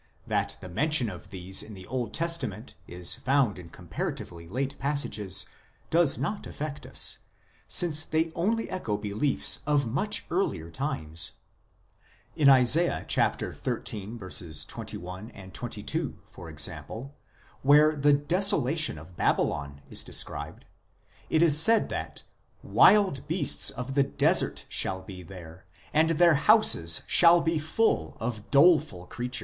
That the mention of these in the Old Testament is found in comparatively late passages does not affect us, since they only echo beliefs of much earlier times. In Isa. xiii. 21, 22, for example, where the desolation of Babylon is described, it is said that " wild beasts of the desert shall be there ; and their houses shall be full of doleful 1 Op.